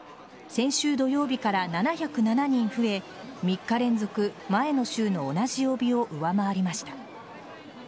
先週土曜日から７０７人増え３日連続前の週の同じ曜日を上回りました。